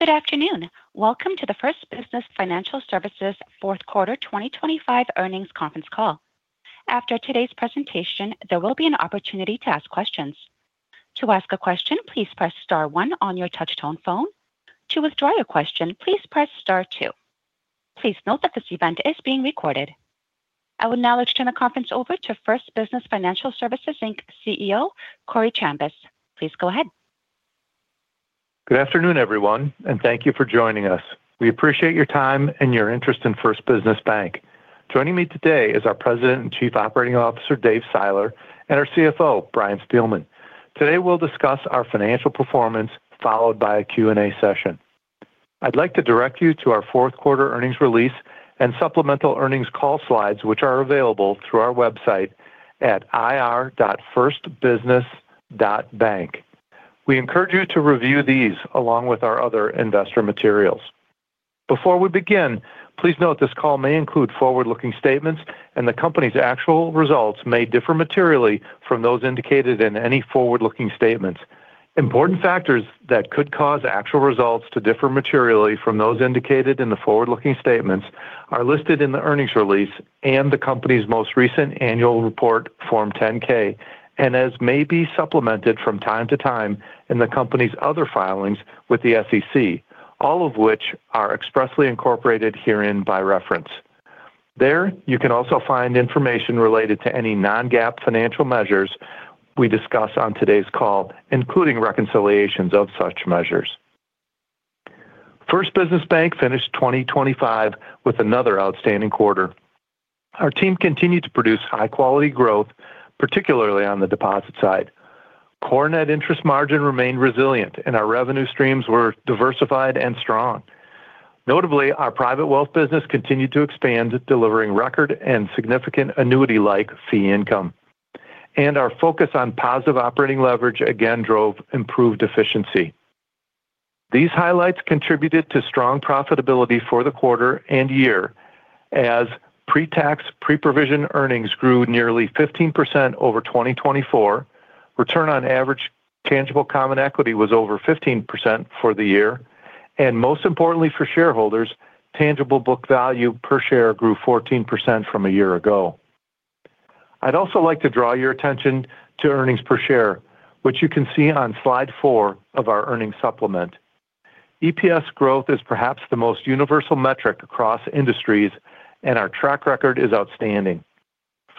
Good afternoon. Welcome to the First Business Financial Services Fourth Quarter 2025 Earnings Conference Call. After today's presentation, there will be an opportunity to ask questions. To ask a question, please press star one on your touchtone phone. To withdraw your question, please press star two. Please note that this event is being recorded. I will now turn the conference over to First Business Financial Services, Inc CEO, Corey Chambas. Please go ahead. Good afternoon, everyone, and thank you for joining us. We appreciate your time and your interest in First Business Bank. Joining me today is our President and Chief Operating Officer, Dave Seiler, and our CFO, Brian Spielmann. Today, we'll discuss our financial performance, followed by a Q&A session. I'd like to direct you to our fourth quarter earnings release and supplemental earnings call slides, which are available through our website at ir.firstbusiness.bank. We encourage you to review these along with our other investor materials. Before we begin, please note this call may include forward-looking statements and the company's actual results may differ materially from those indicated in any forward-looking statements. Important factors that could cause actual results to differ materially from those indicated in the forward-looking statements are listed in the earnings release and the company's most recent annual report, Form 10-K, and as may be supplemented from time to time in the company's other filings with the SEC, all of which are expressly incorporated herein by reference. There, you can also find information related to any non-GAAP financial measures we discuss on today's call, including reconciliations of such measures. First Business Bank finished 2025 with another outstanding quarter. Our team continued to produce high-quality growth, particularly on the deposit side. Core net interest margin remained resilient, and our revenue streams were diversified and strong. Notably, our private wealth business continued to expand, delivering record and significant annuity-like fee income. Our focus on positive operating leverage again drove improved efficiency. These highlights contributed to strong profitability for the quarter and year as pre-tax, pre-provision earnings grew nearly 15% over 2024. Return on average tangible common equity was over 15% for the year, and most importantly for shareholders, tangible book value per share grew 14% from a year ago. I'd also like to draw your attention to earnings per share, which you can see on slide 4 of our earnings supplement. EPS growth is perhaps the most universal metric across industries, and our track record is outstanding.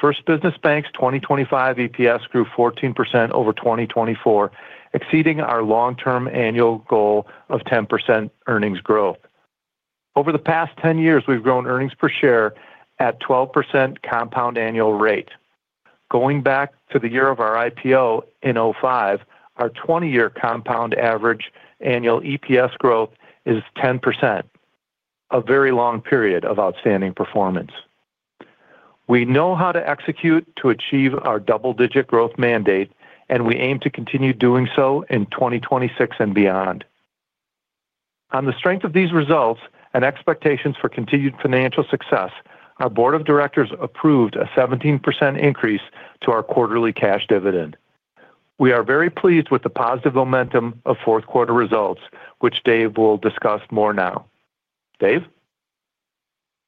First Business Bank's 2025 EPS grew 14% over 2024, exceeding our long-term annual goal of 10% earnings growth. Over the past 10 years, we've grown earnings per share at 12% compound annual rate. Going back to the year of our IPO in 2005, our 20-year compound average annual EPS growth is 10%, a very long period of outstanding performance. We know how to execute to achieve our double-digit growth mandate, and we aim to continue doing so in 2026 and beyond. On the strength of these results and expectations for continued financial success, our board of directors approved a 17% increase to our quarterly cash dividend. We are very pleased with the positive momentum of fourth quarter results, which Dave will discuss more now. Dave?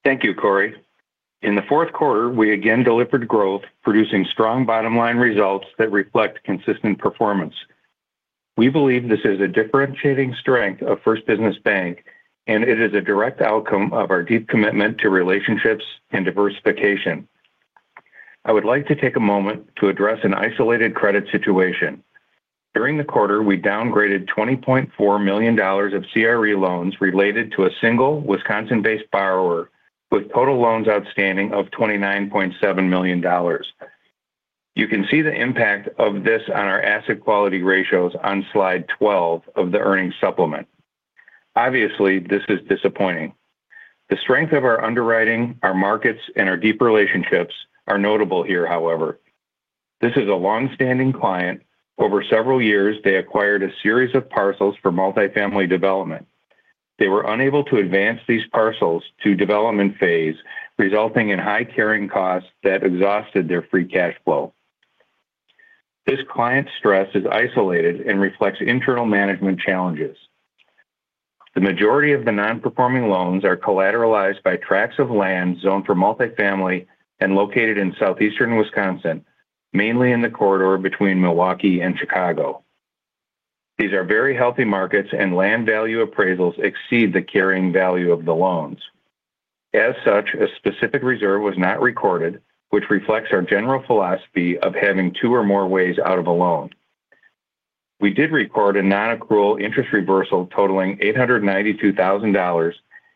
Thank you, Corey. In the fourth quarter, we again delivered growth, producing strong bottom line results that reflect consistent performance. We believe this is a differentiating strength of First Business Bank, and it is a direct outcome of our deep commitment to relationships and diversification. I would like to take a moment to address an isolated credit situation. During the quarter, we downgraded $20.4 million of CRE loans related to a single Wisconsin-based borrower with total loans outstanding of $29.7 million. You can see the impact of this on our asset quality ratios on slide 12 of the earnings supplement. Obviously, this is disappointing. The strength of our underwriting, our markets and our deep relationships are notable here however. This is a long-standing client. Over several years, they acquired a series of parcels for multifamily development. They were unable to advance these parcels to development phase, resulting in high carrying costs that exhausted their free cash flow. This client stress is isolated and reflects internal management challenges. The majority of the non-performing loans are collateralized by tracts of land zoned for multifamily and located in southeastern Wisconsin, mainly in the corridor between Milwaukee and Chicago. These are very healthy markets, and land value appraisals exceed the carrying value of the loans. As such, a specific reserve was not recorded, which reflects our general philosophy of having two or more ways out of a loan. We did record a non-accrual interest reversal totaling $892,000,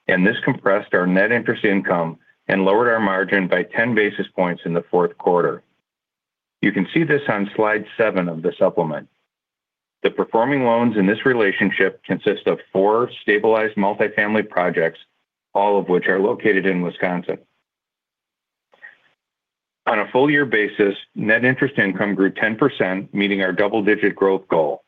and this compressed our net interest income and lowered our margin by ten basis points in the fourth quarter. You can see this on slide 7 of the supplement. The performing loans in this relationship consist of four stabilized multifamily projects, all of which are located in Wisconsin. On a full year basis, net interest income grew 10%, meeting our double-digit growth goal.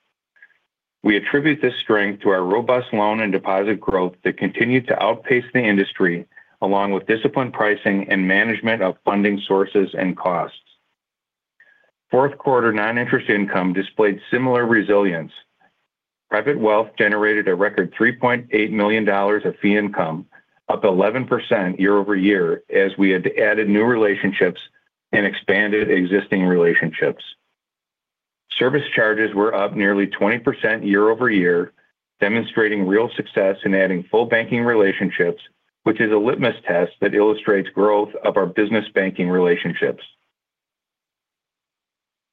We attribute this strength to our robust loan and deposit growth that continued to outpace the industry, along with disciplined pricing and management of funding sources and costs. Fourth quarter non-interest income displayed similar resilience. Private Wealth generated a record $3.8 million of fee income, up 11% year-over-year, as we had added new relationships and expanded existing relationships. Service charges were up nearly 20% year-over-year, demonstrating real success in adding full banking relationships, which is a litmus test that illustrates growth of our business banking relationships.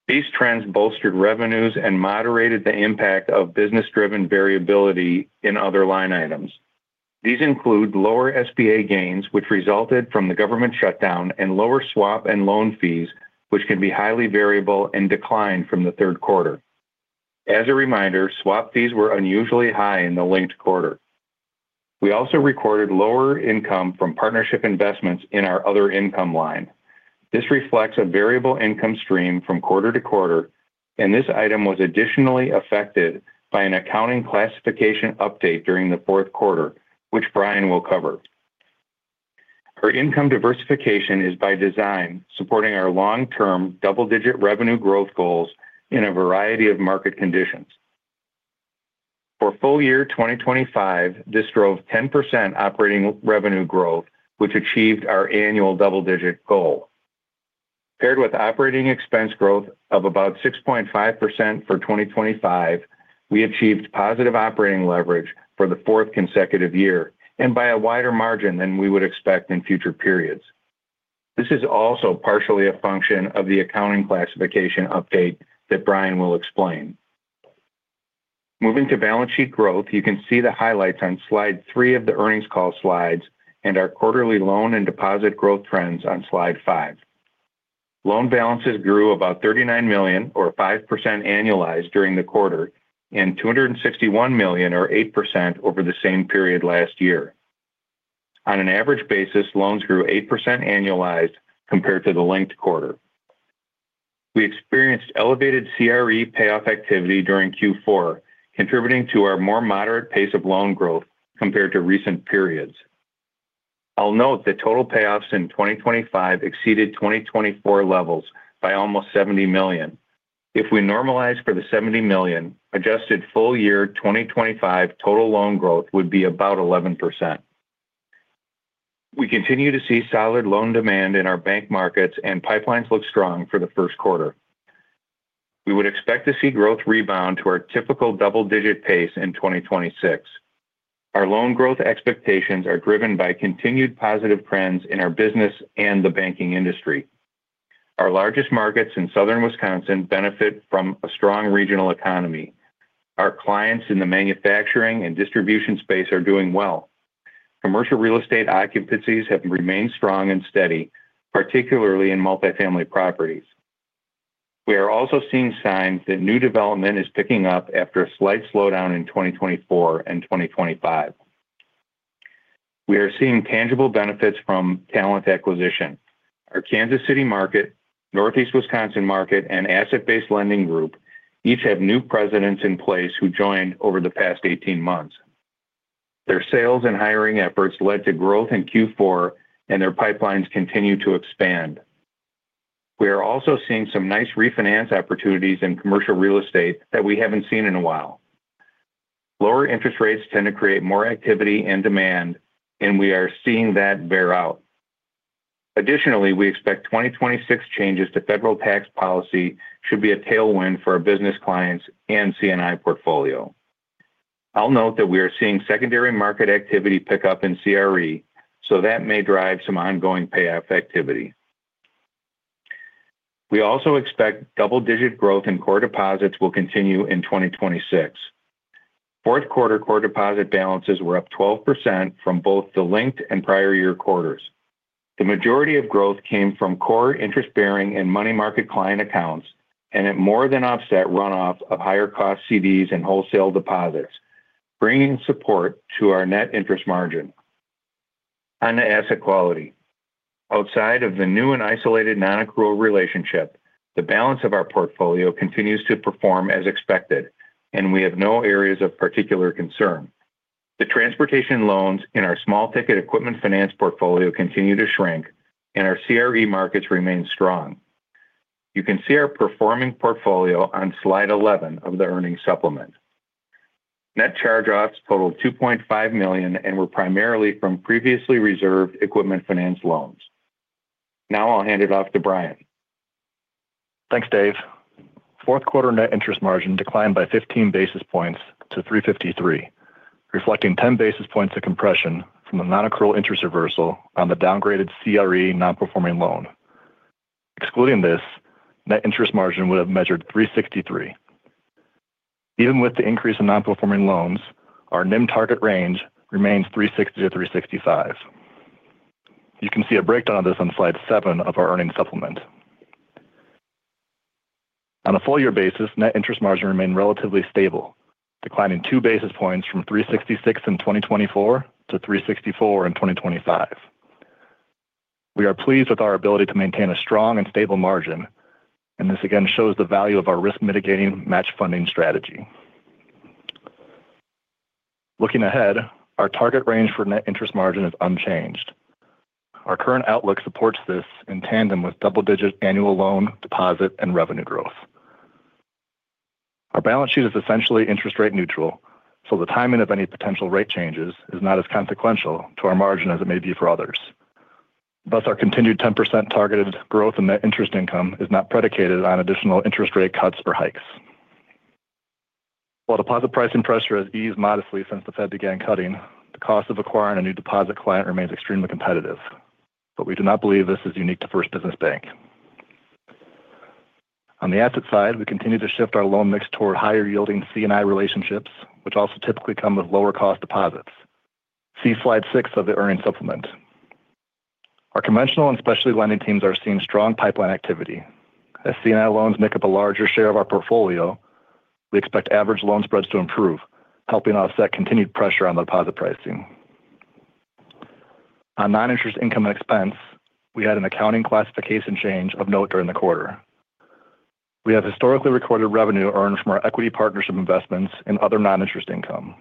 These trends bolstered revenues and moderated the impact of business-driven variability in other line items. These include lower SBA gains, which resulted from the government shutdown, and lower swap and loan fees, which can be highly variable and declined from the third quarter. As a reminder, swap fees were unusually high in the linked quarter. We also recorded lower income from partnership investments in our other income line. This reflects a variable income stream from quarter to quarter, and this item was additionally affected by an accounting classification update during the fourth quarter, which Brian will cover. Our income diversification is by design, supporting our long-term double-digit revenue growth goals in a variety of market conditions. For full year 2025, this drove 10% operating revenue growth, which achieved our annual double-digit goal. Paired with operating expense growth of about 6.5% for 2025, we achieved positive operating leverage for the fourth consecutive year and by a wider margin than we would expect in future periods. This is also partially a function of the accounting classification update that Brian will explain. Moving to balance sheet growth, you can see the highlights on slide 3 of the earnings call slides and our quarterly loan and deposit growth trends on slide 5. Loan balances grew about $39 million, or 5% annualized during the quarter, and $261 million, or 8% over the same period last year. On an average basis, loans grew 8% annualized compared to the linked quarter. We experienced elevated CRE payoff activity during Q4, contributing to our more moderate pace of loan growth compared to recent periods. I'll note that total payoffs in 2025 exceeded 2024 levels by almost $70 million. If we normalize for the $70 million, adjusted full year 2025, total loan growth would be about 11%. We continue to see solid loan demand in our bank markets, and pipelines look strong for the first quarter. We would expect to see growth rebound to our typical double-digit pace in 2026. Our loan growth expectations are driven by continued positive trends in our business and the banking industry. Our largest markets in Southern Wisconsin benefit from a strong regional economy. Our clients in the manufacturing and distribution space are doing well. Commercial real estate occupancies have remained strong and steady, particularly in multifamily properties. We are also seeing signs that new development is picking up after a slight slowdown in 2024 and 2025. We are seeing tangible benefits from talent acquisition. Our Kansas City market, Northeast Wisconsin market, and asset-based lending group each have new presidents in place who joined over the past 18 months. Their sales and hiring efforts led to growth in Q4, and their pipelines continue to expand. We are also seeing some nice refinance opportunities in commercial real estate that we haven't seen in a while. Lower interest rates tend to create more activity and demand, and we are seeing that bear out. Additionally, we expect 2026 changes to federal tax policy should be a tailwind for our business clients and C&I portfolio. I'll note that we are seeing secondary market activity pick up in CRE, so that may drive some ongoing payoff activity. We also expect double-digit growth in core deposits will continue in 2026. Fourth quarter core deposit balances were up 12% from both the linked and prior year quarters. The majority of growth came from core interest-bearing and money market client accounts, and it more than offset runoff of higher-cost CDs and wholesale deposits, bringing support to our net interest margin. On the asset quality, outside of the new and isolated non-accrual relationship, the balance of our portfolio continues to perform as expected, and we have no areas of particular concern. The transportation loans in our small-ticket equipment finance portfolio continue to shrink, and our CRE markets remain strong. You can see our performing portfolio on slide 11 of the earnings supplement. Net charge-offs totaled $2.5 million and were primarily from previously reserved equipment finance loans. Now I'll hand it off to Brian. Thanks, Dave. Fourth quarter net interest margin declined by 15 basis points to 3.53%, reflecting 10 basis points of compression from a non-accrual interest reversal on the downgraded CRE non-performing loan. Excluding this, net interest margin would have measured 3.63%. Even with the increase in non-performing loans, our NIM target range remains 3.60%-3.65%. You can see a breakdown of this on slide 7 of our earnings supplement. On a full year basis, net interest margin remained relatively stable, declining 2 basis points from 3.66% in 2024 to 3.64% in 2025. We are pleased with our ability to maintain a strong and stable margin, and this again shows the value of our risk-mitigating matched funding strategy. Looking ahead, our target range for net interest margin is unchanged. Our current outlook supports this in tandem with double-digit annual loan, deposit, and revenue growth. Our balance sheet is essentially interest rate neutral, so the timing of any potential rate changes is not as consequential to our margin as it may be for others. Thus, our continued 10% targeted growth in net interest income is not predicated on additional interest rate cuts or hikes. While deposit pricing pressure has eased modestly since the Fed began cutting, the cost of acquiring a new deposit client remains extremely competitive, but we do not believe this is unique to First Business Bank. On the asset side, we continue to shift our loan mix toward higher yielding C&I relationships, which also typically come with lower cost deposits. See slide 6 of the earnings supplement. Our conventional and specialty lending teams are seeing strong pipeline activity. As C&I loans make up a larger share of our portfolio, we expect average loan spreads to improve, helping offset continued pressure on deposit pricing. On non-interest income and expense, we had an accounting classification change of note during the quarter. We have historically recorded revenue earned from our equity partnership investments in other non-interest income,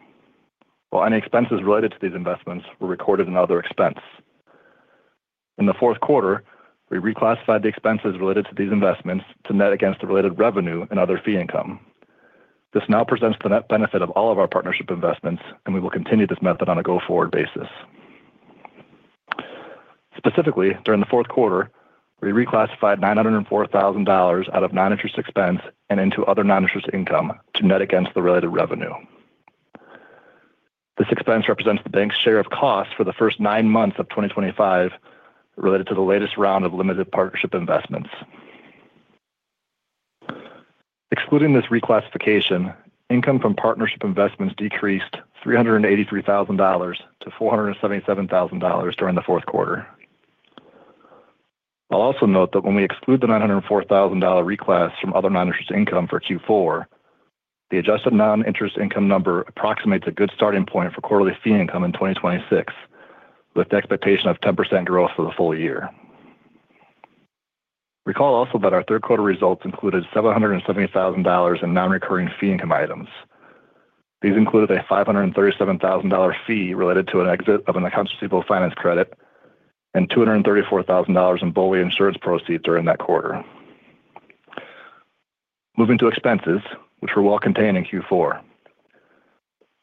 while any expenses related to these investments were recorded in other expense. In the fourth quarter, we reclassified the expenses related to these investments to net against the related revenue and other fee income. This now presents the net benefit of all of our partnership investments, and we will continue this method on a go-forward basis. Specifically, during the fourth quarter, we reclassified $904,000 out of non-interest expense and into other non-interest income to net against the related revenue. This expense represents the bank's share of costs for the first nine months of 2025, related to the latest round of limited partnership investments. Excluding this reclassification, income from partnership investments decreased $383,000 to $477,000 during the fourth quarter. I'll also note that when we exclude the $904,000 reclass from other non-interest income for Q4, the adjusted non-interest income number approximates a good starting point for quarterly fee income in 2026, with the expectation of 10% growth for the full year. Recall also that our third quarter results included $770,000 in non-recurring fee income items. These included a $537,000 fee related to an exit of an accounts receivable finance credit and $234,000 in BOLI insurance proceeds during that quarter. Moving to expenses, which were well contained in Q4.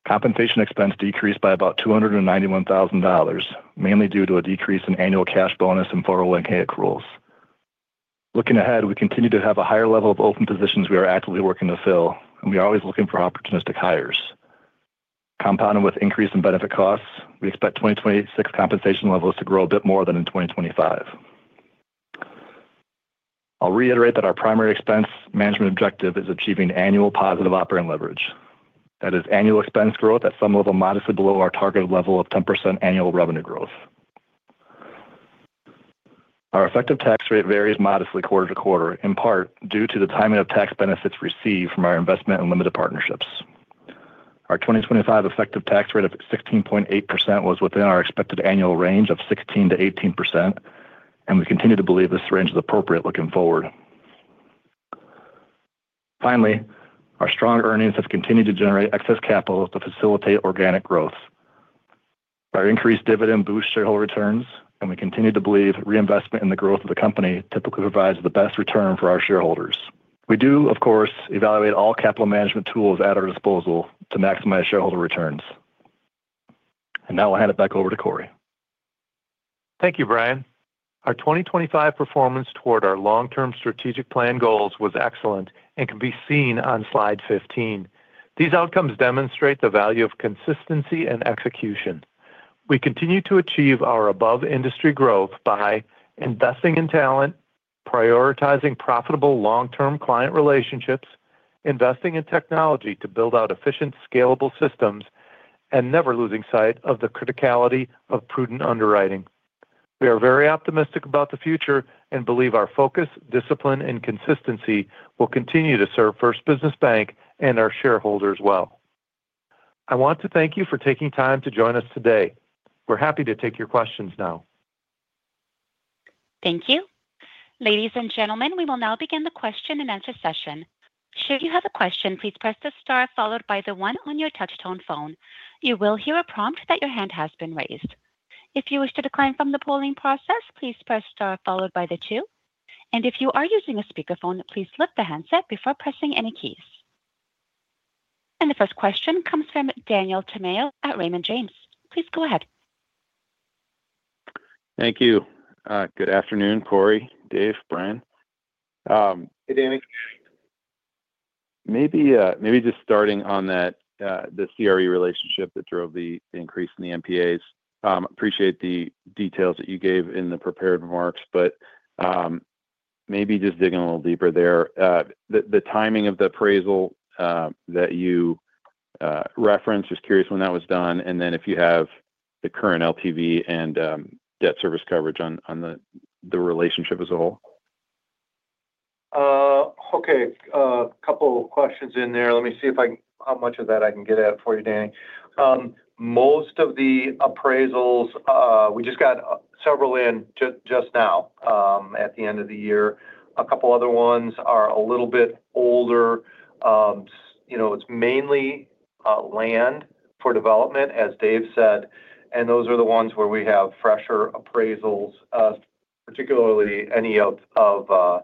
Compensation expense decreased by about $291,000, mainly due to a decrease in annual cash bonus and 401(k) accruals. Looking ahead, we continue to have a higher level of open positions we are actively working to fill, and we are always looking for opportunistic hires. Compounded with increase in benefit costs, we expect 2026 compensation levels to grow a bit more than in 2025. I'll reiterate that our primary expense management objective is achieving annual positive operating leverage. That is annual expense growth at some level, modestly below our targeted level of 10% annual revenue growth. Our effective tax rate varies modestly quarter to quarter, in part due to the timing of tax benefits received from our investment in limited partnerships. Our 2025 effective tax rate of 16.8% was within our expected annual range of 16%-18%, and we continue to believe this range is appropriate looking forward. Finally, our strong earnings have continued to generate excess capital to facilitate organic growth. Our increased dividend boosts shareholder returns, and we continue to believe reinvestment in the growth of the company typically provides the best return for our shareholders. We do, of course, evaluate all capital management tools at our disposal to maximize shareholder returns. Now I'll hand it back over to Corey. Thank you, Brian. Our 2025 performance toward our long-term strategic plan goals was excellent and can be seen on slide 15. These outcomes demonstrate the value of consistency and execution. We continue to achieve our above-industry growth by investing in talent, prioritizing profitable long-term client relationships, investing in technology to build out efficient, scalable systems, and never losing sight of the criticality of prudent underwriting. We are very optimistic about the future and believe our focus, discipline, and consistency will continue to serve First Business Bank and our shareholders well. I want to thank you for taking time to join us today. We're happy to take your questions now. Thank you. Ladies and gentlemen, we will now begin the question and answer session. Should you have a question, please press the star followed by the one on your touch tone phone. You will hear a prompt that your hand has been raised. If you wish to decline from the polling process, please press star followed by the two. And if you are using a speakerphone, please lift the handset before pressing any keys. And the first question comes from Daniel Tamayo at Raymond James. Please go ahead. Thank you. Good afternoon, Corey, Dave, Brian. Hey, Danny. Maybe, maybe just starting on that, the CRE relationship that drove the increase in the NPAs. Appreciate the details that you gave in the prepared remarks, but, maybe just digging a little deeper there. The timing of the appraisal that you referenced, just curious when that was done, and then if you have the current LTV and debt service coverage on the relationship as a whole. Okay. A couple of questions in there. Let me see if I how much of that I can get at for you, Danny. Most of the appraisals, we just got several in just now, at the end of the year. A couple other ones are a little bit older. You know, it's mainly land for development, as Dave said, and those are the ones where we have fresher appraisals, particularly any of, of,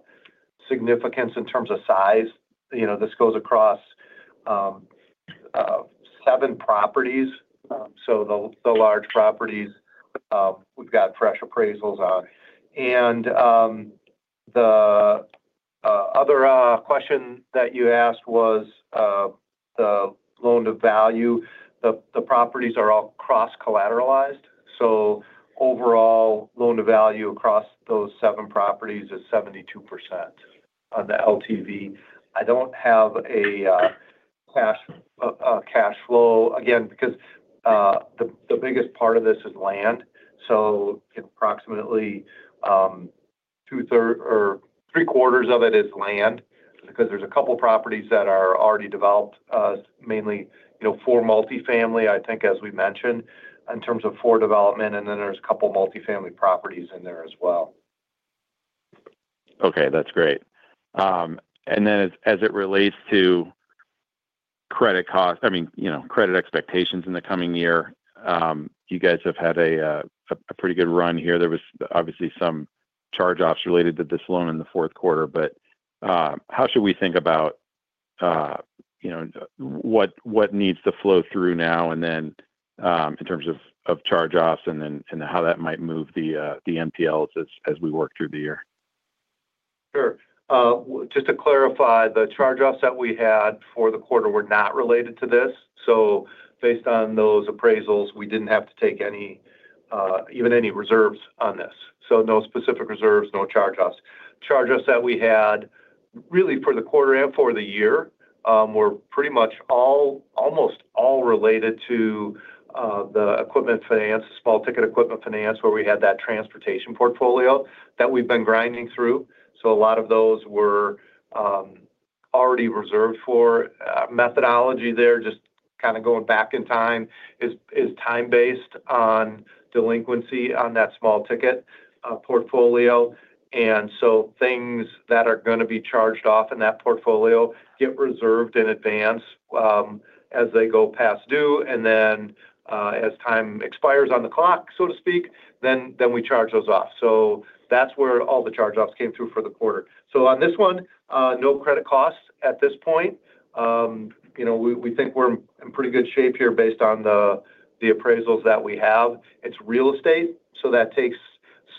significance in terms of size. You know, this goes across, seven properties. So the, the large properties, we've got fresh appraisals on. And, the, other, question that you asked was, the loan-to-value. The, the properties are all cross-collateralized, so overall loan-to-value across those seven properties is 72% on the LTV. I don't have a, cash flow, again, because, the, the biggest part of this is land. So approximately, 2/3 or three-quarters of it is land because there's a couple properties that are already developed, mainly, you know, for multifamily, I think, as we mentioned, in terms of for development, and then there's a couple multifamily properties in there as well. Okay, that's great. And then as it relates to credit cost—I mean, you know, credit expectations in the coming year, you guys have had a pretty good run here. There was obviously some charge-offs related to this loan in the fourth quarter, but how should we think about, you know, what needs to flow through now and then, in terms of charge-offs and then, and how that might move the NPLs as we work through the year? Sure. Just to clarify, the charge-offs that we had for the quarter were not related to this. So based on those appraisals, we didn't have to take any, even any reserves on this. So no specific reserves, no charge-offs. Charge-offs that we had really for the quarter and for the year were pretty much all, almost all related to the equipment finance, small-ticket equipment finance, where we had that transportation portfolio that we've been grinding through. So a lot of those were already reserved for, methodology there. Just kind of going back in time is time-based on delinquency on that small-ticket portfolio. And so things that are gonna be charged off in that portfolio get reserved in advance, as they go past due, and then, as time expires on the clock, so to speak, then we charge those off. So that's where all the charge-offs came through for the quarter. So on this one, no credit costs at this point. You know, we think we're in pretty good shape here based on the appraisals that we have. It's real estate, so that takes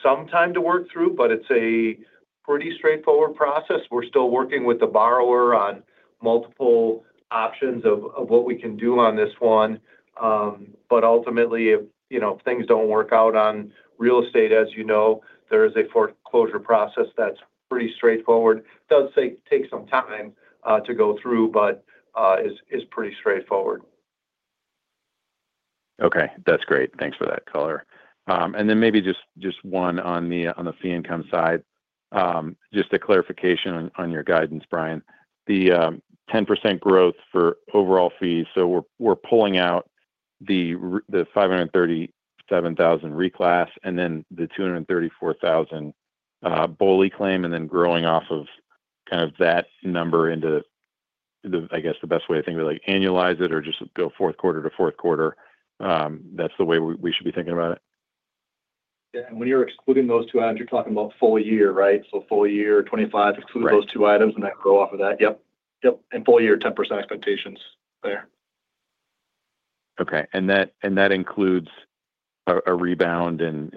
some time to work through, but it's a pretty straightforward process. We're still working with the borrower on multiple options of what we can do on this one. But ultimately, if, you know, things don't work out on real estate, as you know, there is a foreclosure process that's pretty straightforward. Does take some time to go through, but is pretty straightforward. Okay. That's great. Thanks for that color. And then maybe just one on the fee income side. Just a clarification on your guidance, Brian. The 10% growth for overall fees, so we're pulling out the $537,000 reclass and then the $234,000 BOLI claim, and then growing off of kind of that number into the--I guess the best way to think of it, like, annualize it or just go fourth quarter to fourth quarter, that's the way we should be thinking about it? Yeah, and when you're excluding those two items, you're talking about full year, right? So full year, 2025, excluding those two items and then grow off of that. Yep, and full year, 10% expectations there. Okay. And that includes a rebound in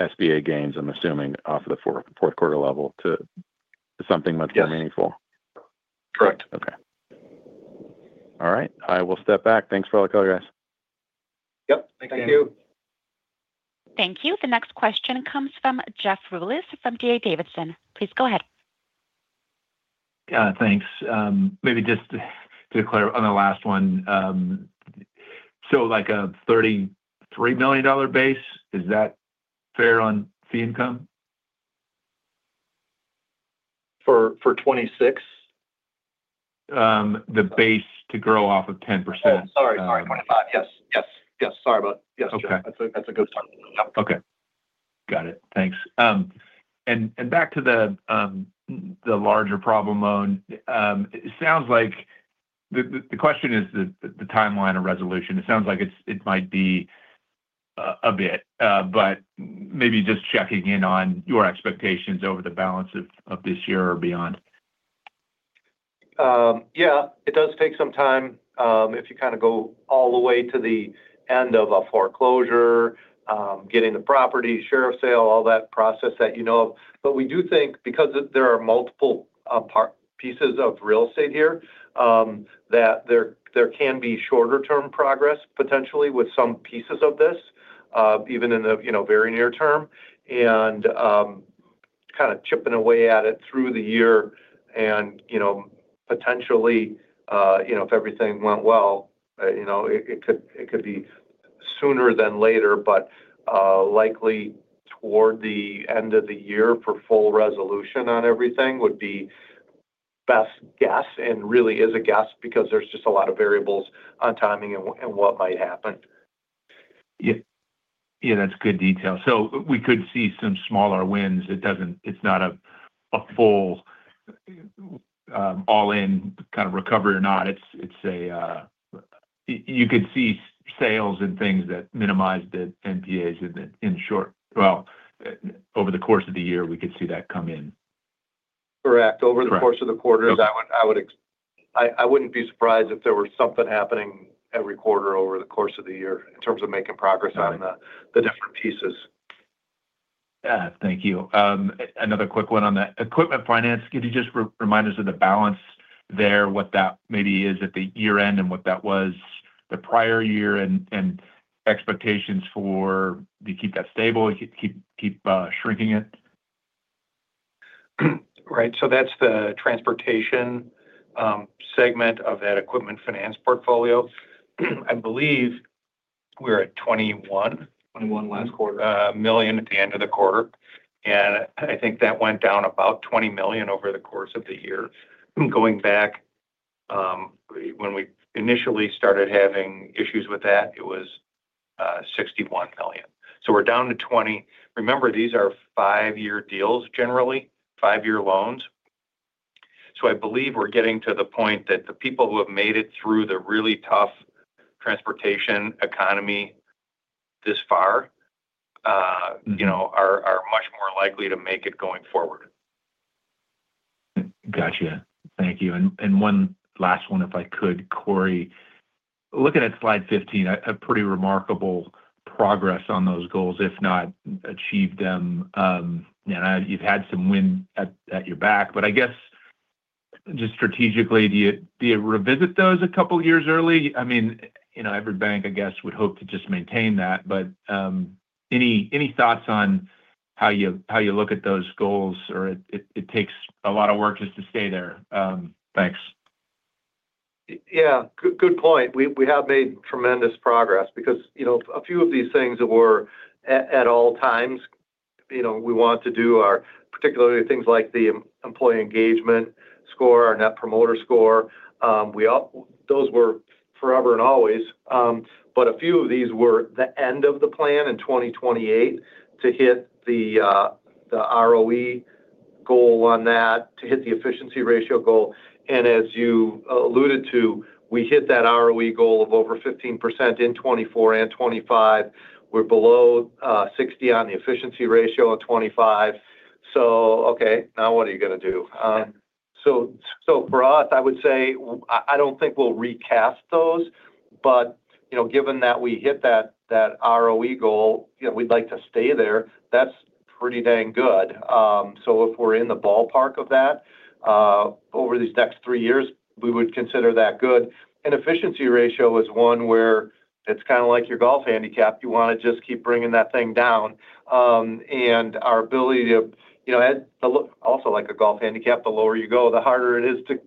SBA gains, I'm assuming, off of the fourth quarter level to something much more meaningful? Yes. Correct. Okay. All right. I will step back. Thanks for all the color, guys. Yep. Thank you. Thank you. Thank you. The next question comes from Jeff Rulis from D.A. Davidson. Please go ahead. Thanks. Maybe just to clarify on the last one, so, like, a $33 million base, is that fair on fee income? For 2026? The base to grow off of 10%. Oh, sorry. Sorry, 2025. Yes, yes, yes. Sorry about that. Okay. Yes, that's a good start. Yep. Okay. Got it. Thanks. And back to the larger problem loan, it sounds like the question is the timeline of resolution. It sounds like it might be a bit, but maybe just checking in on your expectations over the balance of this year or beyond. Yeah, it does take some time, if you kind of go all the way to the end of a foreclosure, getting the property, sheriff sale, all that process that you know of. But we do think because there are multiple pieces of real estate here, that there can be shorter-term progress, potentially with some pieces of this, even in the very near term. And kind of chipping away at it through the year and, you know, potentially, you know, if everything went well, you know, it could be sooner than later, but likely toward the end of the year for full resolution on everything would be best guess. And really is a guess because there's just a lot of variables on timing and what might happen. Yeah, yeah, that's good detail. So we could see some smaller wins. It doesn't—it's not a, a full, all-in kind of recovery or not. It's, it's a, you could see sales and things that minimized the NPAs in the—in short. Well, over the course of the year, we could see that come in. Correct. Over the course of the quarters, I wouldn't be surprised if there were something happening every quarter over the course of the year in terms of making progress on the different pieces. Thank you. Another quick one on that. Equipment Finance, could you just remind us of the balance there, what that maybe is at the year-end and what that was the prior year and expectations for, do you keep that stable? Do you keep shrinking it? Right. So that's the transportation segment of that Equipment Finance portfolio. I believe we're at 21-- $21 million last quarter. $21 million at the end of the quarter, and I think that went down about $20 million over the course of the year. Going back, when we initially started having issues with that, it was $61 million. So we're down to $20 million. Remember, these are five-year deals, generally, five-year loans. So I believe we're getting to the point that the people who have made it through the really tough transportation economy this far. You know, are much more likely to make it going forward. Got it. Thank you. And one last one, if I could, Corey. Looking at slide 15, a pretty remarkable progress on those goals, if not achieved them. You know, you've had some wind at your back, but I guess just strategically, do you revisit those a couple of years early? I mean, you know, every bank, I guess, would hope to just maintain that. But any thoughts on how you look at those goals, or it takes a lot of work just to stay there? Thanks. Yeah, good point. We have made tremendous progress because, you know, a few of these things that were at all times, you know, we want to do are particularly things like the employee engagement score, our Net Promoter Score. Those were forever and always, but a few of these were the end of the plan in 2028 to hit the ROE goal on that, to hit the efficiency ratio goal. And as you alluded to, we hit that ROE goal of over 15% in 2024 and 2025. We're below 60 on the efficiency ratio of 2025. So okay, now what are you going to do? So, so for us, I would say I don't think we'll recast those, but, you know, given that we hit that ROE goal, you know, we'd like to stay there. That's pretty dang good. So if we're in the ballpark of that, over these next three years, we would consider that good. And efficiency ratio is one where it's kind of like your golf handicap. You want to just keep bringing that thing down. And our ability to, you know, also like a golf handicap, the lower you go, the harder it is to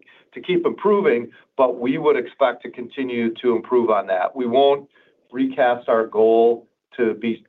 keep improving, but we would expect to continue to improve on that. We won't recast our goal to be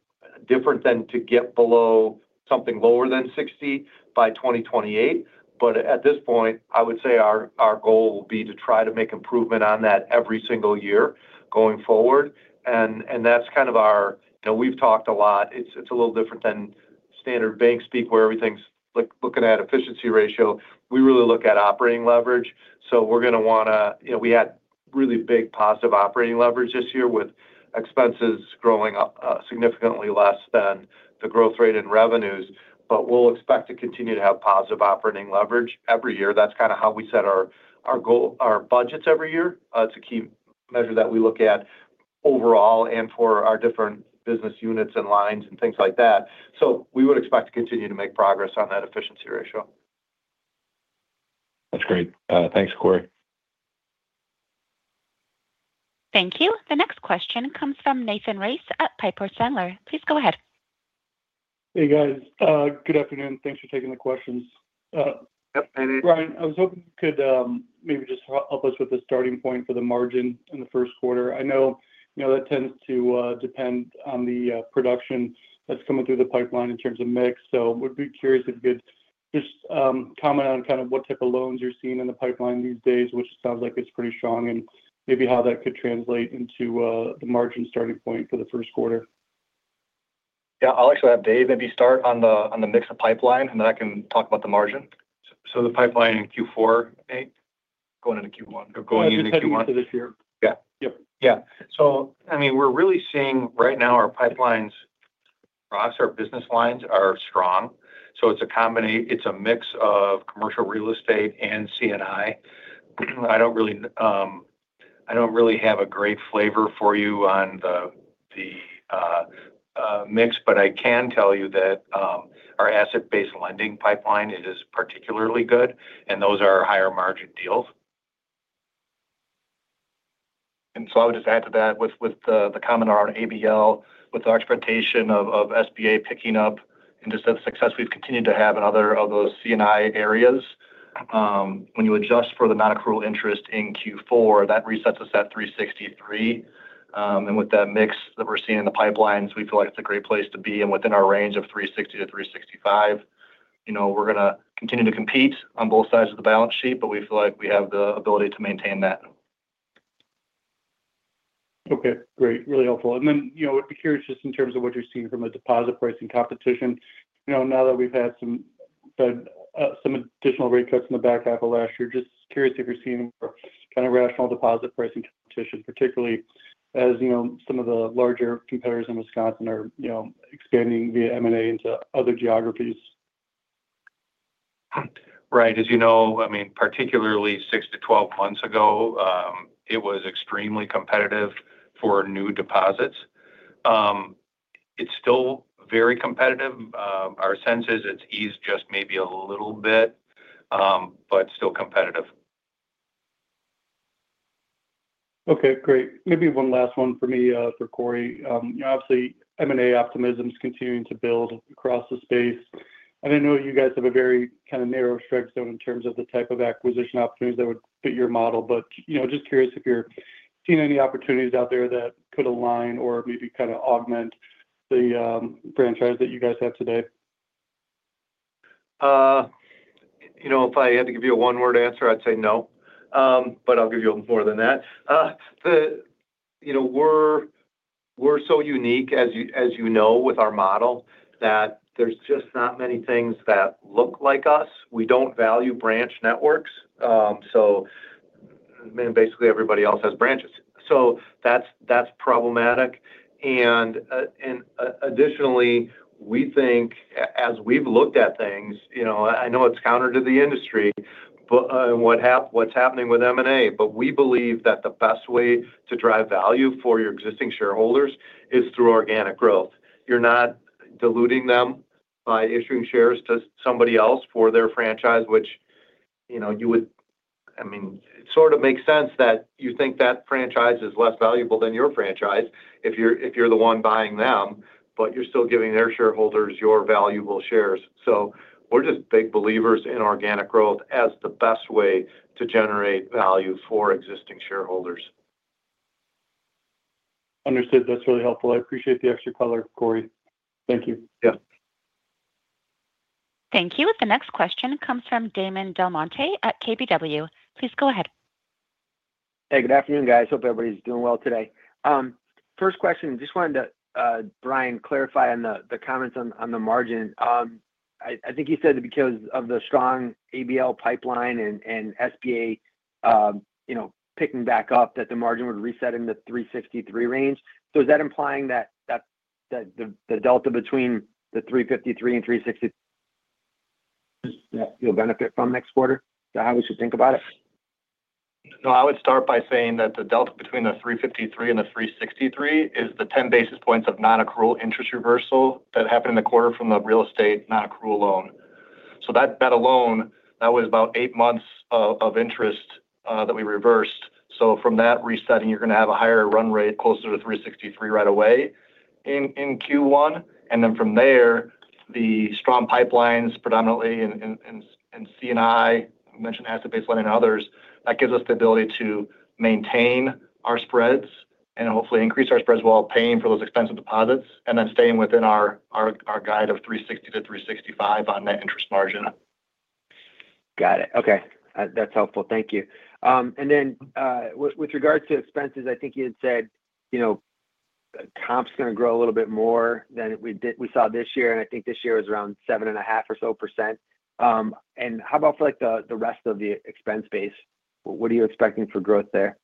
different than to get below something lower than 60 by 2028. But at this point, I would say our goal will be to try to make improvement on that every single year going forward, and that's kind of our--you know, we've talked a lot. It's a little different than standard bank speak, where everything's like looking at efficiency ratio. We really look at operating leverage, so we're going to want to-- You know, we had really big positive operating leverage this year, with expenses growing up, significantly less than the growth rate in revenues, but we'll expect to continue to have positive operating leverage every year. That's kind of how we set our goal, our budgets every year. It's a key measure that we look at overall and for our different business units and lines and things like that. So we would expect to continue to make progress on that efficiency ratio. That's great. Thanks, Corey. Thank you. The next question comes from Nathan Race at Piper Sandler. Please go ahead. Hey, guys. Good afternoon. Thanks for taking the questions. Yep, hey. Brian, I was hoping you could, maybe just help us with the starting point for the margin in the first quarter. I know, you know, that tends to depend on the production that's coming through the pipeline in terms of mix. So would be curious if you could just comment on kind of what type of loans you're seeing in the pipeline these days, which sounds like it's pretty strong, and maybe how that could translate into the margin starting point for the first quarter. Yeah. I'll actually have Dave maybe start on the mix of pipeline, and then I can talk about the margin. The pipeline in Q4, going into Q1 or going into Q1? Just this year. Yeah. So, I mean, we're really seeing right now our pipelines across our business lines are strong, so it's a mix of commercial real estate and C&I. I don't really, I don't really have a great flavor for you on the mix, but I can tell you that our asset-based lending pipeline, it is particularly good, and those are higher-margin deals. So I would just add to that with the comment on ABL, with our expectation of SBA picking up and just the success we've continued to have in other of those C&I areas, when you adjust for the non-accrual interest in Q4, that resets us at 363. And with that mix that we're seeing in the pipelines, we feel like it's a great place to be and within our range of 360-365. You know, we're going to continue to compete on both sides of the balance sheet, but we feel like we have the ability to maintain that. Okay, great. Really helpful. And then, you know, I'd be curious just in terms of what you're seeing from a deposit pricing competition. You know, now that we've had some additional rate cuts in the back half of last year, just curious if you're seeing kind of rational deposit pricing competition, particularly as, you know, some of the larger competitors in Wisconsin are, you know, expanding via M&A into other geographies. Right. As you know, I mean, particularly 6-12 months ago, it was extremely competitive for new deposits. It's still very competitive. Our sense is it's eased just maybe a little bit, but still competitive. Okay, great. Maybe one last one for me, for Corey. Obviously, M&A optimism is continuing to build across the space. I know you guys have a very kind of narrow strike zone in terms of the type of acquisition opportunities that would fit your model. You know, just curious if you're seeing any opportunities out there that could align or maybe kind of augment the franchise that you guys have today. You know, if I had to give you a one-word answer, I'd say no. But I'll give you more than that. You know, we're so unique, as you know, with our model, that there's just not many things that look like us. We don't value branch networks, so basically, everybody else has branches. So that's problematic. And additionally, we think as we've looked at things, you know, I know it's counter to the industry, but what's happening with M&A, but we believe that the best way to drive value for your existing shareholders is through organic growth. You're not diluting them by issuing shares to somebody else for their franchise, which, you know, you would, I mean, it sort of makes sense that you think that franchise is less valuable than your franchise if you're the one buying them, but you're still giving their shareholders your valuable shares. So we're just big believers in organic growth as the best way to generate value for existing shareholders. Understood. That's really helpful. I appreciate the extra color, Corey. Thank you. Yeah. Thank you. The next question comes from Damon DelMonte at KBW. Please go ahead. Hey, good afternoon, guys. Hope everybody's doing well today. First question, just wanted to, Brian, clarify on the comments on the margin. I think you said that because of the strong ABL pipeline and SBA, you know, picking back up, that the margin would reset into 3.63% range. So is that implying that the delta between the 3.53% and 3.60% that you'll benefit from next quarter? Is that how we should think about it? No, I would start by saying that the delta between the 3.53% and the 3.63% is the 10 basis points of nonaccrual interest reversal that happened in the quarter from the real estate nonaccrual loan. So that, that alone, that was about eight months of interest that we reversed. So from that resetting, you're going to have a higher run rate closer to 3.63% right away in Q1. And then from there, the strong pipelines, predominantly in C&I, I mentioned asset-based lending and others, that gives us the ability to maintain our spreads and hopefully increase our spreads while paying for those expensive deposits and then staying within our guide of 3.60-3.65 on net interest margin. Got it. Okay. That's helpful. Thank you. And then, with regards to expenses, I think you had said, you know, comp's going to grow a little bit more than we did—we saw this year, and I think this year was around 7.5% or so. And how about for, like, the rest of the expense base? What are you expecting for growth there?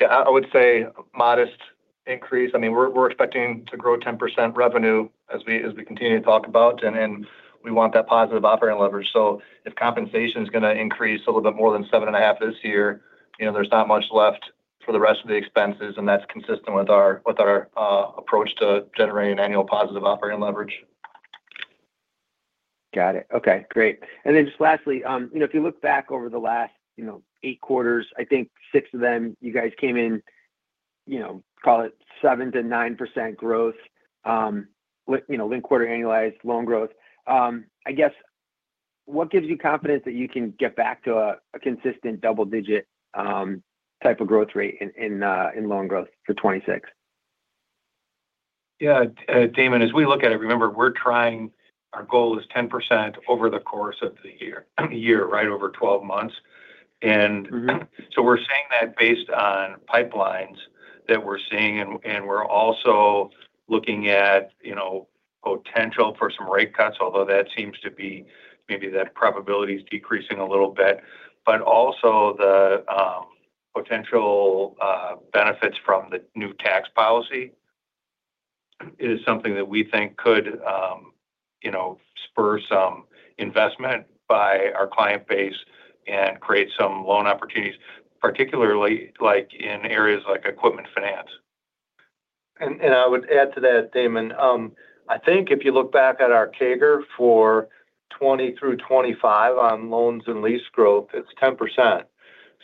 Yeah, I would say modest increase. I mean, we're expecting to grow 10% revenue as we continue to talk about, and we want that positive operating leverage. So if compensation is going to increase a little bit more than 7.5% this year, you know, there's not much left for the rest of the expenses, and that's consistent with our approach to generating annual positive operating leverage. Got it. Okay, great. And then just lastly, you know, if you look back over the last, you know, eight quarters, I think six of them, you guys came in, you know, call it 7%-9% growth, with, you know, linked-quarter annualized loan growth. I guess, what gives you confidence that you can get back to a consistent double-digit type of growth rate in loan growth for 2026? Yeah, Damon, as we look at it, remember, we're trying—our goal is 10% over the course of the year, a year, right? Over 12 months. So we're saying that based on pipelines that we're seeing and we're also looking at, you know, potential for some rate cuts, although that seems to be maybe that probability is decreasing a little bit. But also the potential benefits from the new tax policy is something that we think could, you know, spur some investment by our client base and create some loan opportunities, particularly like in areas like equipment finance. And I would add to that, Damon, I think if you look back at our CAGR for 2020 through 2025 on loans and lease growth, it's 10%.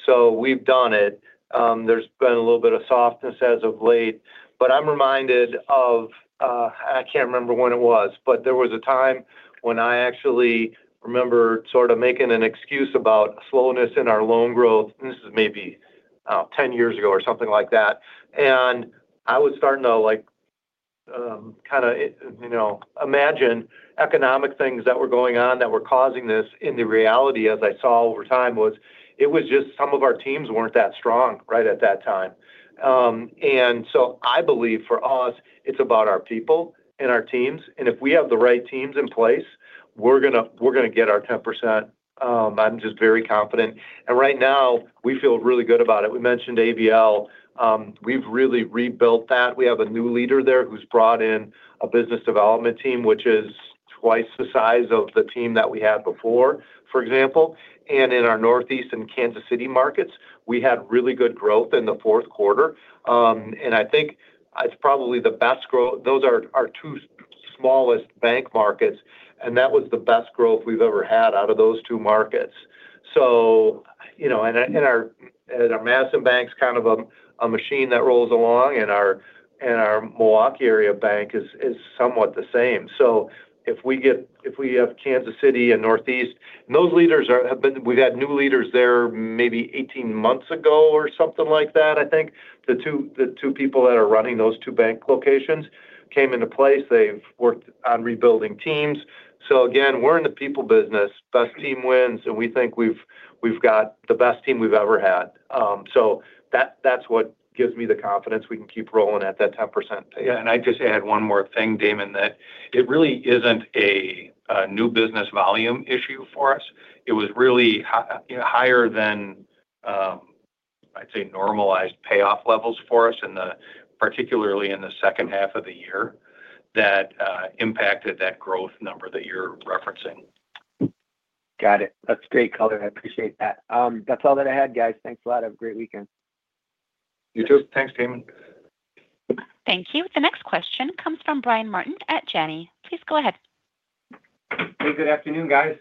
So we've done it. There's been a little bit of softness as of late, but I'm reminded of--and I can't remember when it was, but there was a time when I actually remember sort of making an excuse about slowness in our loan growth. This is maybe--10 years ago or something like that. I was starting to, like, kind of, you know, imagine economic things that were going on that were causing this, and the reality, as I saw over time, was it was just some of our teams weren't that strong right at that time. So I believe for us, it's about our people and our teams, and if we have the right teams in place, we're going to, we're going to get our 10%. I'm just very confident. Right now, we feel really good about it. We mentioned ABL. We've really rebuilt that. We have a new leader there who's brought in a business development team, which is twice the size of the team that we had before, for example. In our Northeast and Kansas City markets, we had really good growth in the fourth quarter. And I think it's probably the best growth—those are our two smallest bank markets, and that was the best growth we've ever had out of those two markets. So, you know, and our Madison bank is kind of a machine that rolls along, and our Milwaukee area bank is somewhat the same. So if we have Kansas City and Northeast, those leaders have been—we've had new leaders there maybe 18 months ago or something like that, I think. The two people that are running those two bank locations came into place. They've worked on rebuilding teams. So again, we're in the people business. Best team wins, and we think we've got the best team we've ever had. So that, that's what gives me the confidence we can keep rolling at that 10%. Yeah, and I'd just add one more thing, Damon, that it really isn't a new business volume issue for us. It was really higher than, I'd say, normalized payoff levels for us, particularly in the second half of the year, that impacted that growth number that you're referencing. Got it. That's great color. I appreciate that. That's all that I had, guys. Thanks a lot. Have a great weekend. You too. Thanks, Damon. Thank you. The next question comes from Brian Martin at Janney. Please go ahead. Hey, good afternoon, guys.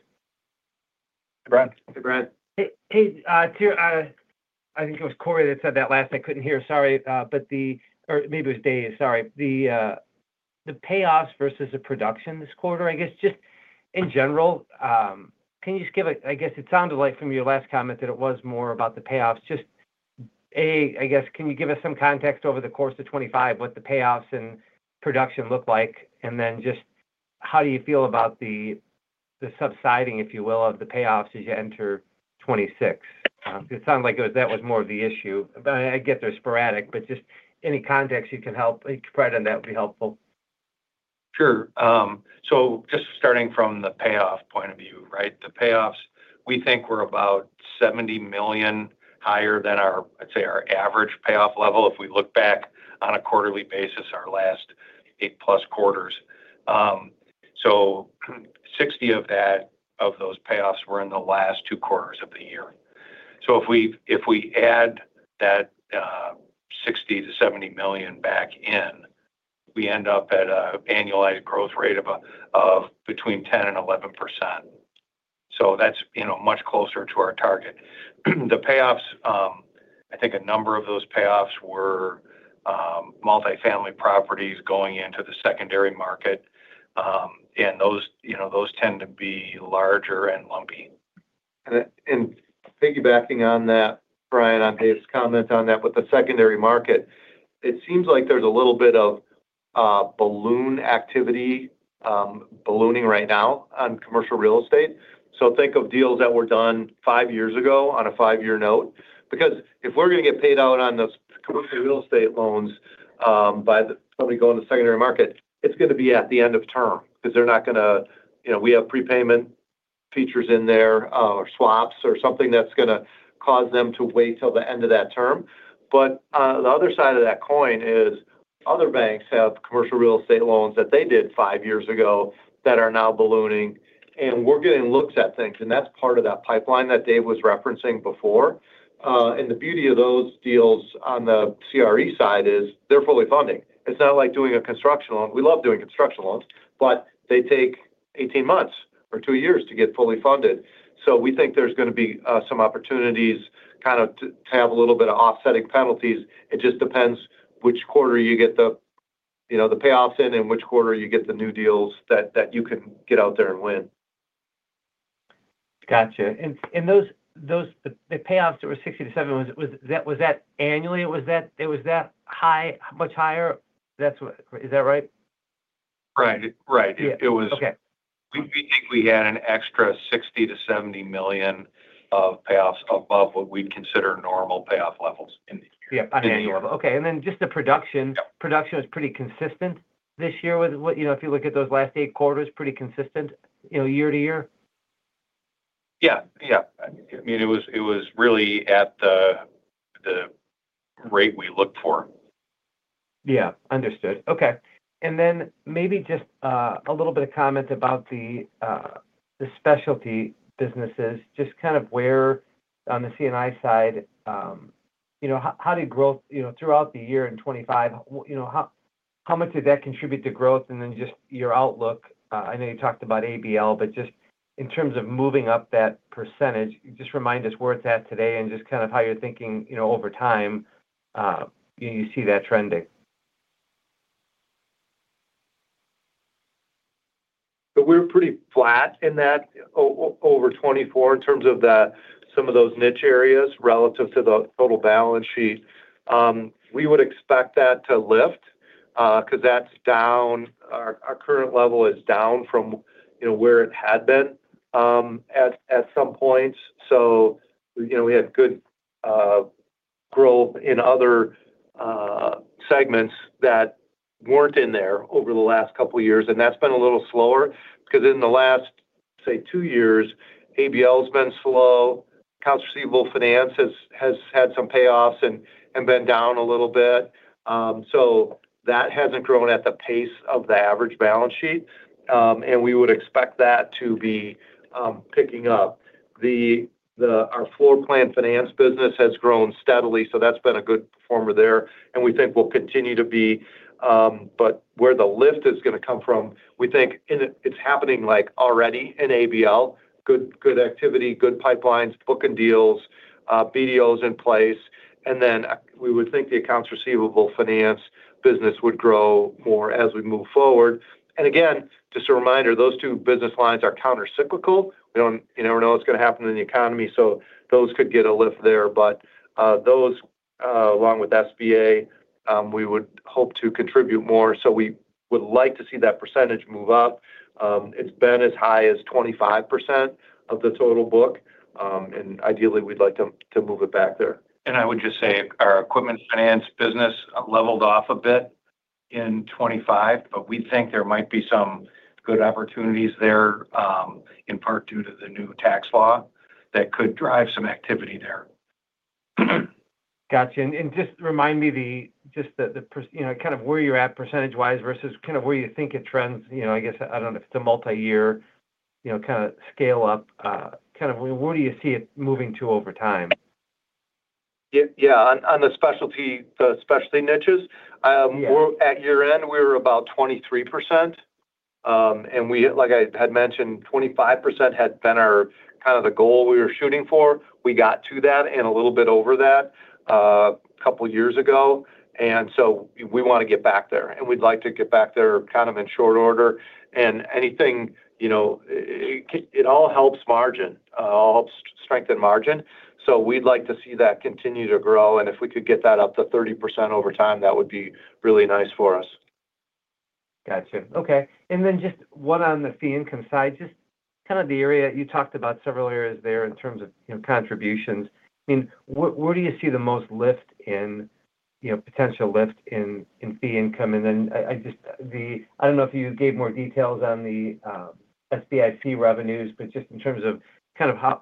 Hi, Brian. Hey, Brian. Hey, hey, to, I think it was Corey that said that last. I couldn't hear. Sorry, but the- or maybe it was Dave, sorry. The, the payoffs versus the production this quarter, I guess just in general, can you just give a-- I guess it sounded like from your last comment that it was more about the payoffs. Just, a, I guess, can you give us some context over the course of 2025, what the payoffs and production look like? And then just how do you feel about the, the subsiding, if you will, of the payoffs as you enter 2026? It sounded like it was-- that was more of the issue. But I get they're sporadic, but just any context you can help provide on that would be helpful. Sure. So just starting from the payoff point of the view, right? The payoffs, we think were about $70 million higher than our, let's say, our average payoff level, if we look back on a quarterly basis, our last eight+ quarters. So $60 million of that, of those payoffs were in the last two quarters of the year. So if we add that, $60 million to $70 million back in, we end up at an annualized growth rate of between 10% and 11%. So that's, you know, much closer to our target. The payoffs, I think a number of those payoffs were multifamily properties going into the secondary market. And those, you know, those tend to be larger and lumpy. And piggybacking on that, Brian, on Dave's comment on that, with the secondary market, it seems like there's a little bit of balloon activity, ballooning right now on commercial real estate. So think of deals that were done five years ago on a five-year note, because if we're going to get paid out on those commercial real estate loans, by the somebody going to secondary market, it's going to be at the end of term because they're not going to--You know, we have prepayment features in there, or swaps or something that's going to cause them to wait till the end of that term. But, the other side of that coin is other banks have commercial real estate loans that they did five years ago that are now ballooning, and we're getting looks at things, and that's part of that pipeline that Dave was referencing before. And the beauty of those deals on the CRE side is they're fully funding. It's not like doing a construction loan. We love doing construction loans, but they take 18 months or two years to get fully funded. So we think there's going to be, some opportunities kind of to have a little bit of offsetting penalties. It just depends which quarter you get the, you know, the payoffs in and which quarter you get the new deals that you can get out there and win. Gotcha. And those- the payoffs that were $60 million to $70 million, was that annually? Was that it was that high, much higher? That's what- Is that right? Right. It was-- Okay. We think we had an extra $60 million-$70 million of payoffs above what we'd consider normal payoff levels in the year. Yeah, on annual. Okay, and then just the production. Production was pretty consistent this year with what, you know, if you look at those last eight quarters, pretty consistent, you know, year to year? Yeah. I mean, it was, it was really at the, the rate we looked for. Yeah. Understood. Okay, and then maybe just a little bit of comment about the specialty businesses, just kind of where on the C&I side, you know, how, how did growth, you know, throughout the year in 2025, you know, how, how much did that contribute to growth? And then just your outlook. I know you talked about ABL, but just in terms of moving up that percentage, just remind us where it's at today and just kind of how you're thinking, you know, over time, you see that trending. But we're pretty flat in that over 2024 in terms of the some of those niche areas relative to the total balance sheet. We would expect that to lift, 'cause that's down. Our current level is down from, you know, where it had been at some point. So, you know, we had good growth in other segments that weren't in there over the last couple of years, and that's been a little slower. 'Cause in the last, say, two years, ABL's been slow, accounts receivable finance has had some payoffs and been down a little bit. So that hasn't grown at the pace of the average balance sheet, and we would expect that to be picking up. Our floorplan financing business has grown steadily, so that's been a good performer there, and we think will continue to be. But where the lift is gonna come from, we think and it's happening, like, already in ABL. Good, good activity, good pipelines, booking deals, BDO is in place, and then we would think the accounts receivable financing business would grow more as we move forward. And again, just a reminder, those two business lines are countercyclical. You never know what's gonna happen in the economy, so those could get a lift there. But those along with SBA we would hope to contribute more. So we would like to see that percentage move up. It's been as high as 25% of the total book, and ideally, we'd like to move it back there. I would just say our Equipment Finance business leveled off a bit in 2025, but we think there might be some good opportunities there, in part due to the new tax law, that could drive some activity there. Got it. And just remind me, you know, kind of where you're at percentage-wise versus kind of where you think it trends, you know, I guess, I don't know if it's a multi-year, you know, kinda scale up. Kind of where do you see it moving to over time? Yeah, yeah. On the specialty niches, we're at year-end, we were about 23%. And we like I had mentioned, 25% had been our kind of the goal we were shooting for. We got to that and a little bit over that, couple of years ago, and so we want to get back there, and we'd like to get back there kind of in short order. And anything, you know, it, it all helps margin, all helps strengthen margin. So we'd like to see that continue to grow, and if we could get that up to 30% over time, that would be really nice for us. Got it. Okay, and then just one on the fee income side. Just kind of the area, you talked about several areas there in terms of, you know, contributions. I mean, where, where do you see the most lift in, you know, potential lift in fee income? And then, I just, I don't know if you gave more details on the SBIC revenues, but just in terms of kind of how,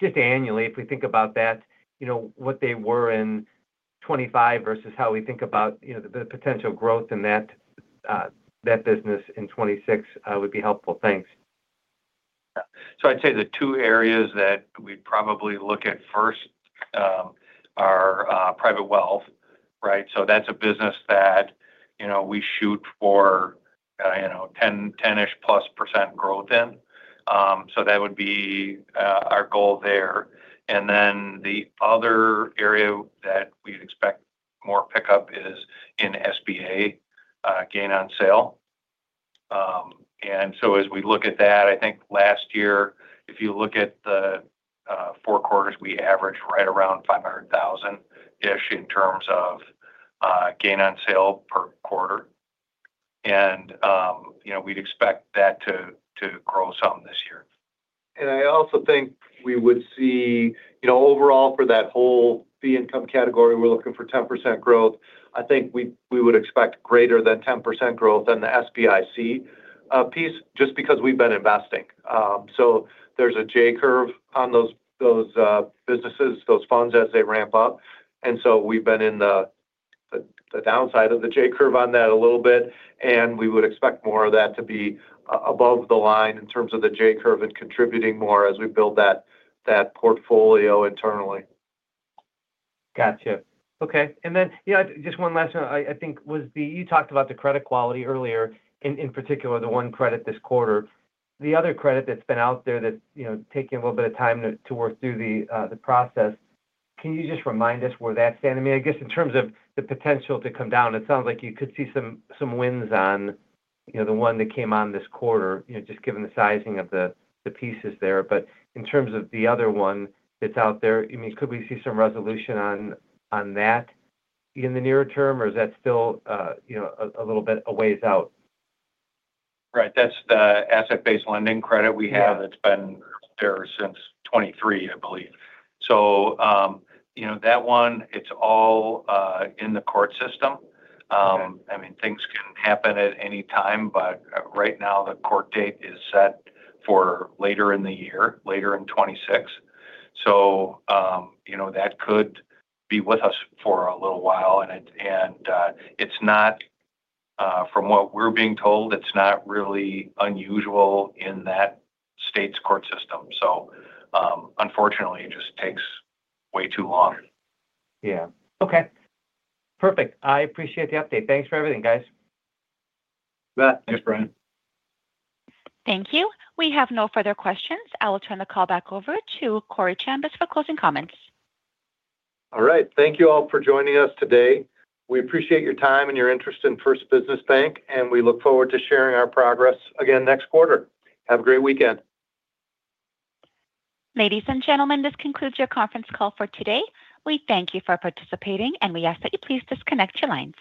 just annually, if we think about that, you know, what they were in 2025 versus how we think about, you know, the potential growth in that business in 2026, would be helpful. Thanks. So I'd say the two areas that we'd probably look at first are Private Wealth, right? So that's a business that, you know, we shoot for, you know, 10%, 10%-ish+ growth in. So that would be our goal there. And then the other area that we'd expect more pickup is in SBA gain on sale. And so as we look at that, I think last year, if you look at the four quarters, we averaged right around $500,000-ish in terms of gain on sale per quarter. And, you know, we'd expect that to, to grow some this year. And I also think we would see. You know, overall, for that whole fee income category, we're looking for 10% growth. I think we would expect greater than 10% growth in the SBIC piece, just because we've been investing. So there's a J-curve on those businesses, those funds as they ramp up, and so we've been in the downside of the J-curve on that a little bit, and we would expect more of that to be above the line in terms of the J-curve and contributing more as we build that portfolio internally. Got it. Okay, and then, yeah, just one last one, I, I think was the, you talked about the credit quality earlier, in, in particular, the one credit this quarter. The other credit that's been out there that's, you know, taking a little bit of time to, to work through the, the process, can you just remind us where that's standing? I mean, I guess in terms of the potential to come down, it sounds like you could see some, some wins on, you know, the one that came on this quarter, you know, just given the sizing of the, the pieces there. But in terms of the other one that's out there, I mean, could we see some resolution on, on that in the near term, or is that still, you know, a little bit a ways out? Right. That's the asset-based lending credit we have that's been there since 2023, I believe. So, you know, that one, it's all in the court system. I mean, things can happen at any time, but, right now, the court date is set for later in the year, later in 2026. So, you know, that could be with us for a little while, and it's not, from what we're being told, it's not really unusual in that state's court system. So, unfortunately, it just takes way too long. Yeah. Okay, perfect. I appreciate the update. Thanks for everything, guys. You bet. Thanks, Brian. Thank you. We have no further questions. I will turn the call back over to Corey Chambas for closing comments. All right. Thank you all for joining us today. We appreciate your time and your interest in First Business Bank, and we look forward to sharing our progress again next quarter. Have a great weekend. Ladies and gentlemen, this concludes your conference call for today. We thank you for participating, and we ask that you please disconnect your lines.